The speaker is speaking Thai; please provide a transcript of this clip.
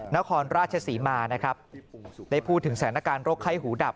นรศรีมาร์ได้พูดถึงสถานการณ์โรคไข้หูดับ